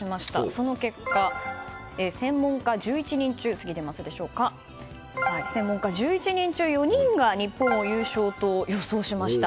その結果、専門家１１人中４人が日本を優勝と予想しました。